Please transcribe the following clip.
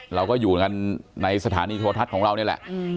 เราก็อยู่กันในสถานีโทรทัศน์ของเรานี่แหละ